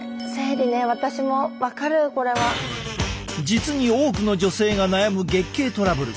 実に多くの女性が悩む月経トラブル。